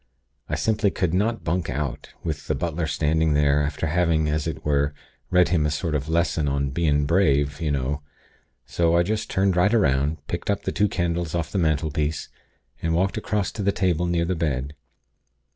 I simply could not bunk out, with the butler standing there, after having, as it were, read him a sort of lesson on 'bein' brave, y'know.' So I just turned right 'round, picked up the two candles off the mantelpiece, and walked across to the table near the bed.